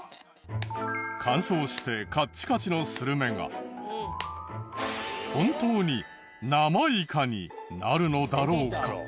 乾燥してカッチカチのスルメが本当に生イカになるのだろうか。